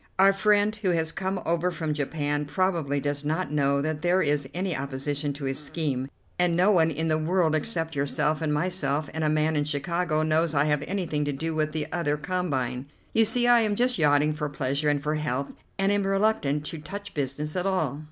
Our friend who has come over from Japan probably does not know that there is any opposition to his scheme, and no one in the world except yourself and myself and a man in Chicago knows I have anything to do with the other combine. You see I am just yachting for pleasure and for health, and am reluctant to touch business at all.